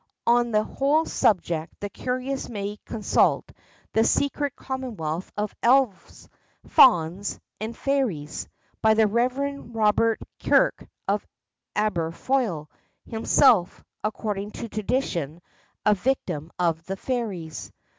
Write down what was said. On the whole subject the curious may consult "The Secret Commonwealth of Elves, Fauns, and Fairies," by the Reverend Robert Kirk of Aberfoyle, himself, according to tradition, a victim of the fairies.